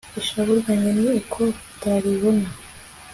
ishavu ryanjye ni uko utalibona